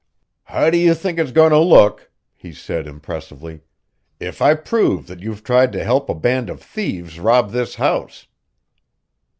"How do you think it is going to look," he said, impressively, "if I prove that you've tried to help a band of thieves rob this house?"